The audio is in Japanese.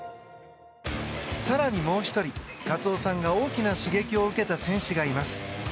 更にもう１人カツオさんが大きな刺激を受けた選手がいます。